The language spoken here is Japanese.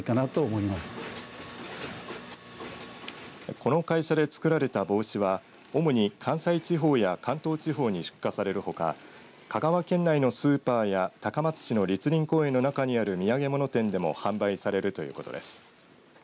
この会社でつくられた帽子は主に関西地方や関東地方に出荷されるほか香川県内のスーパーや高松市の栗林公園の中にある土産物店でも販売されるということです。